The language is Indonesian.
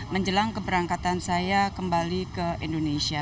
menjelang keberangkatan saya kembali ke indonesia